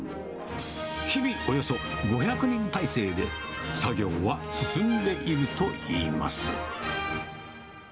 日々、およそ５００人態勢で、作業は進んでいるといいます。